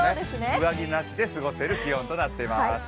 上着なしで過ごせる気温となっています。